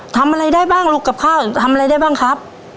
ทำอะไรได้บ้างลูกกับข้าวทำอะไรได้บ้างครับ